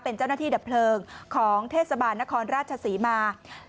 เป็นเจ้าหน้าที่ดับเพลิงของเทศบาลนครราชศรีมา